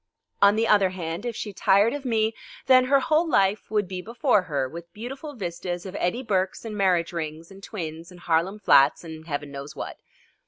On the other hand, if she tired of me, then her whole life would be before her with beautiful vistas of Eddie Burkes and marriage rings and twins and Harlem flats and Heaven knows what.